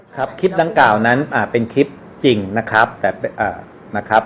คลิปดังกล่าวนั้นเป็นคลิปจริงนะครับแต่นะครับ